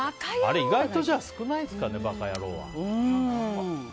意外と少ないですかねバカヤローは。